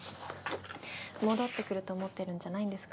戻ってくると思ってるんじゃないんですか？